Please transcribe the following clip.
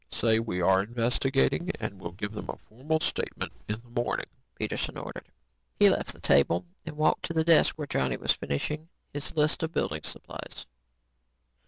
Say we are investigating. We'll give them a formal statement in the morning," Peterson ordered. He left the table and walked to the desk where Johnny was finishing his list of building supplies.